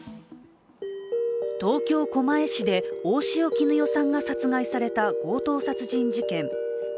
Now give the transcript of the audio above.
東京・狛江市で大塩衣与さんが殺害された強盗殺人事件。